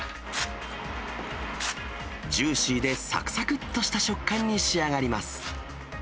ジューシーでさくさくっとした食感に仕上がります。